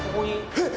えっ！